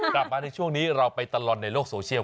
กลับมาในช่วงนี้เราไปตลอดในโลกโซเชียล